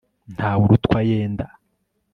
ntawe urutwa yenda